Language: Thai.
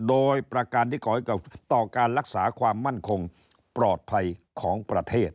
โดยประการที่ก่อให้ต่อการรักษาความมั่นคงปลอดภัยของประเทศ